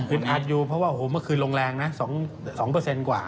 อัดอยู่เพราะว่าโอ้โหเมื่อคืนลงแรงนะ๒กว่า